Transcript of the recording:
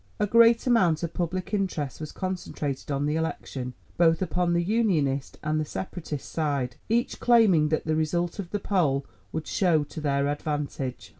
A great amount of public interest was concentrated on the election, both upon the Unionist and the Separatist side, each claiming that the result of the poll would show to their advantage.